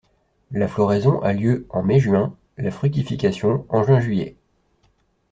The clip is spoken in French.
La floraison a lieu en mai-juin, la fructification en juin-juillet.